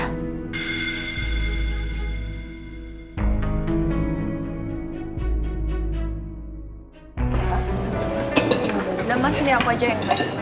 sudah mas ini aku aja yang beri